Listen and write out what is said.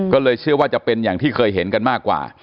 ก็เลยเชื่อว่าจะเป็นอย่างที่เคยเห็นกันมากกว่า